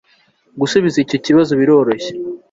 gusubiza icyo kibazo biroroshye